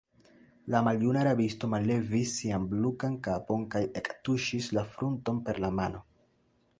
La maljuna rabisto mallevis sian buklan kapon kaj ektuŝis la frunton per la mano.